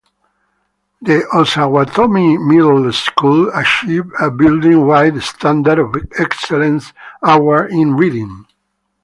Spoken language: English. The Osawatomie Middle School achieved a building wide Standard of Excellence Award in reading.